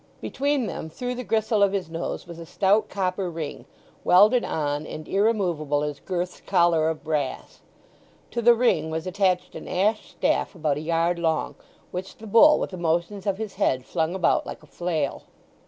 Between them, through the gristle of his nose, was a stout copper ring, welded on, and irremovable as Gurth's collar of brass. To the ring was attached an ash staff about a yard long, which the bull with the motions of his head flung about like a flail.